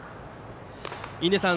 印出さん